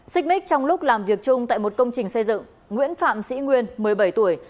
xích mít trong lúc làm việc chung tại một công trình xây dựng nguyễn phạm sĩ nguyên một mươi bảy tuổi